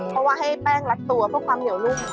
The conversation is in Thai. เพราะว่าให้แป้งรัดตัวเพื่อความเหนียวนุ่ม